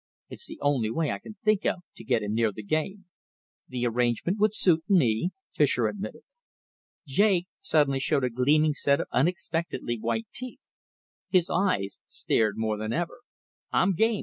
It's the only way I can think of, to get him near the game." "The arrangement would suit me," Fischer admitted. Jake suddenly showed a gleaming set of unexpectedly white teeth. His eyes stared more than ever. "I'm game!